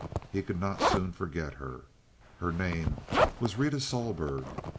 He could not soon forget her. Her name was Rita Sohlberg.